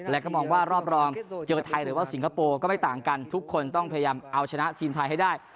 และก็มองว่ารอบรองเจอไทยหรือว่าสิงคโปร์ก็ไม่ต่างกันทุกคนต้องพยายามเอาชนะทีมไทยให้ได้